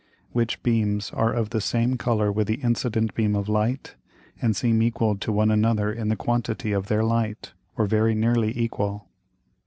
Which beams are of the same Colour with the incident beam of Light, and seem equal to one another in the quantity of their Light, or very nearly equal.